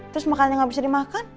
terus makanannya gak bisa dimakan